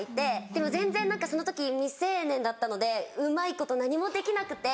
でも全然その時未成年だったのでうまいこと何もできなくて。